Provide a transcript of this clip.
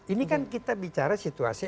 ini kan kita bicara situasi